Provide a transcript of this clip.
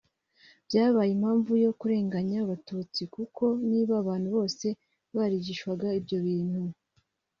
Byabaye impanvu yo kurenganya Abatutsi kuko niba abantu bose barigishwaga ibyo bintu